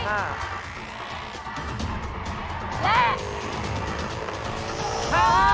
นะคะ